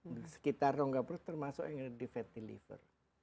di sekitar rongga perut termasuk yang ada di fatty liver